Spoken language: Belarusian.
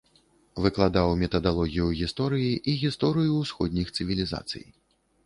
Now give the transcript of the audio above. Выкладаў метадалогію гісторыі і гісторыю ўсходніх цывілізацый.